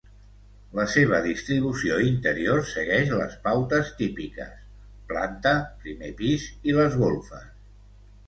La seva distribució interior segueix les pautes típiques: planta, primer pis i les golfes.